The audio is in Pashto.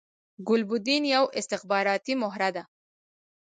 ګلبدین یوه استخباراتی مهره ده